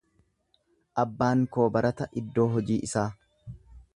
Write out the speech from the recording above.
Abbaan koo barata iddoo hojii isaa.